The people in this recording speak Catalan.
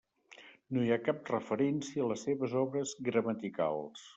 No hi ha cap referència a les seves obres gramaticals.